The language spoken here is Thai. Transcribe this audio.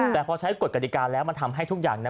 แต่พอใช้กฎกฎิกาแล้วมันทำให้ทุกอย่างนั้น